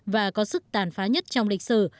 và có sức tàn phá nhất trong lịch sử